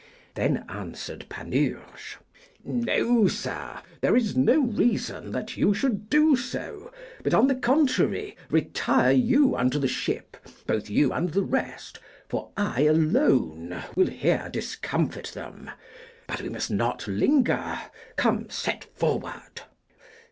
Then answered Panurge, No, sir; there is no reason that you should do so, but, on the contrary, retire you unto the ship, both you and the rest, for I alone will here discomfit them; but we must not linger; come, set forward.